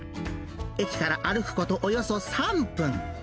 駅から歩くことおよそ３分。